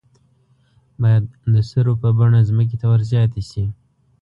باید د سرو په بڼه ځمکې ته ور زیاتې شي.